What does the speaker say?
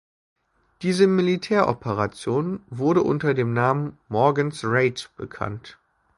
Diese Militäroperation wurde unter dem Namen "Morgan’s Raid" bekannt.